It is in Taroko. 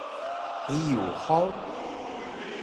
Hiyug hug!